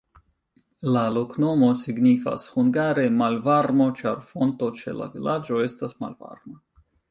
La loknomo signifas hungare malvarmo, ĉar fonto ĉe la vilaĝo estas malvarma.